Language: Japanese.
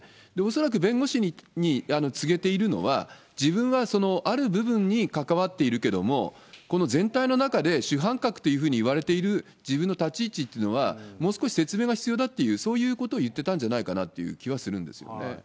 恐らく弁護士に告げているのは、自分はある部分に関わっているけれども、この全体の中で、主犯格というふうにいわれている自分の立ち位置というのは、もう少し説明が必要だっていう、そういうことを言ってたんじゃないかなという気はするんですけれどもね。